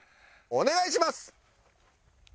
お願いします！